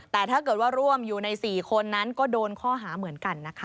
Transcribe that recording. แต่ถ้าเกิดว่าร่วมอยู่ใน๔คนนั้นก็โดนข้อหาเหมือนกันนะคะ